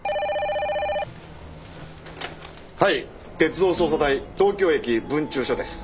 はい鉄道捜査隊東京駅分駐所です。